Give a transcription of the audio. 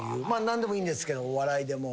何でもいいんですけどお笑いでも。